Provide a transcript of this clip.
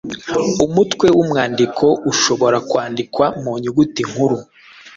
Umutwe w’umwandiko ushobora kwandikwa mu nyuguti nkuru.